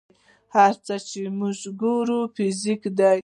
هر څه چې موږ ګورو فزیک دی.